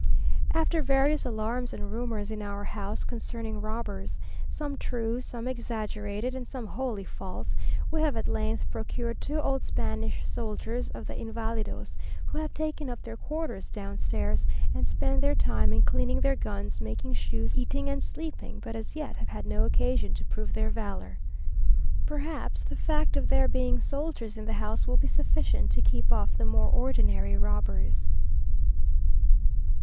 After various alarms and rumours in our house concerning robbers, some true, some exaggerated, and some wholly false, we have at length procured two old Spanish soldiers of the Invalidos, who have taken up their quarters downstairs, and spend their time in cleaning their guns, making shoes, eating and sleeping, but as yet have had no occasion to prove their valour. Perhaps the fact of there being soldiers in the house will be sufficient to keep off the more ordinary robbers.